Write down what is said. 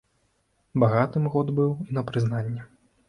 Багатым год быў і на прызнанні.